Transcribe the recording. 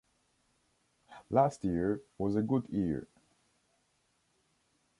Last year was a good year.